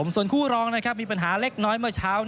ส่วนคู่รองมีปัญหาเล็กน้อยอีกท่ะงั้น